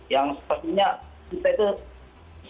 yang sepertinya kita itu